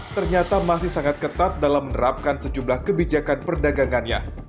ternyata masih sangat ketat dalam menerapkan sejumlah kebijakan perdagangannya